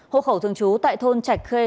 hộ khẩu thường chú tại thôn trạch khê